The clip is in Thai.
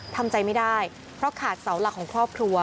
ทำใจไม่ได้เพราะขาดเสาหลักของครอบครัว